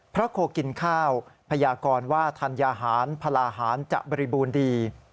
พระโคกินข้าวพญากรว่าทันยาหารพลาหารจะบริบูลดี